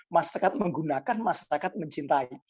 masyarakat menggunakan masyarakat mencintai